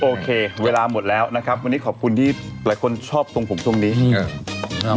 โอเคเวลาหมดแล้วนะครับวันนี้ขอบคุณที่หลายคนชอบทรงผมตรงนี้ครับ